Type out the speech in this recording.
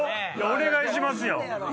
お願いしますよ。